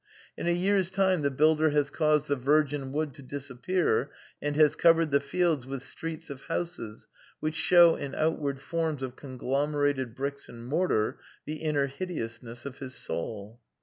In a year's time the builder has caused the virgin wood to disappear and has covered the fields ^ vdth streets of houses which show in outward forms of ./ conglomerated bricks and mortar the inner hideousness ir of his soul.